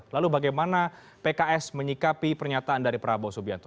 lalu bagaimana pks menyikapi pernyataan dari prabowo subianto